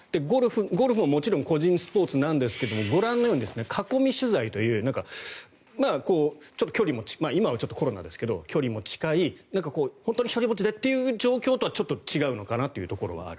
ゴルフももちろん個人スポーツなんですがご覧のように囲み取材という今はコロナですけど距離が近い本当に１人ぼっちでという状況とはちょっと違うのかなというところがある。